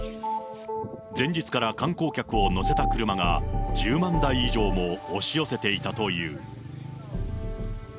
前日から観光客を乗せた車が１０万台以上も押し寄せていたという。